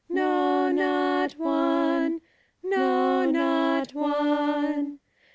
No, not one! no, not one!